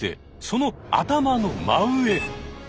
その頭の真上。